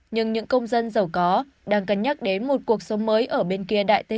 nhưng những công dân giàu có đang cân nhắc đến một cuộc sống mới ở bên kia đại tây